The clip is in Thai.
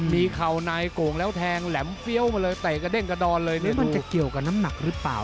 มีเข่าในโก่งแล้วแทงแหลมเฟี้ยวมาเลยเตะกระเด้งกระดอนเลยนี่มันจะเกี่ยวกับน้ำหนักหรือเปล่า